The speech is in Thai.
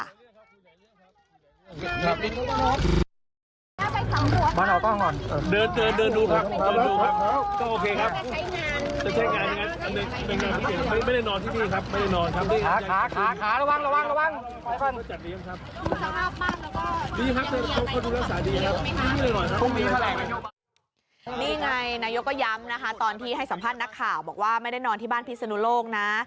นี่ไงนายกก็ย้ำนะคะตอนที่ให้สัมภาษณ์นักข่าวบอกว่าไม่ได้นอนที่บ้านพิศนุโลกนะ